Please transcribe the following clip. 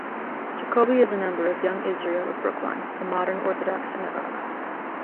Jacoby is a member of Young Israel of Brookline, a modern Orthodox synagogue.